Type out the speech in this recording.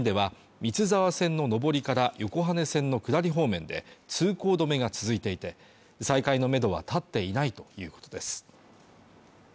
この事故の影響で金港ジャンクション付近では三ツ沢線の上りから横羽線の下り方面で通行止めが続いていて再開のめどは立っていないということです